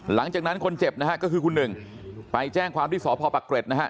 หลังจากนั้นคนเจ็บนะฮะก็คือคุณหนึ่งไปแจ้งความที่สพปะเกร็ดนะฮะ